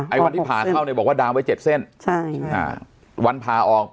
วันที่ผ่าเข้าเนี่ยบอกว่าดามไว้เจ็ดเส้นใช่อ่าวันผ่าออก